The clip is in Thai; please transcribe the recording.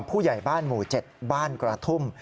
ผู้ใหญ่บ้านหมู่๗บ้านกระทุ่ม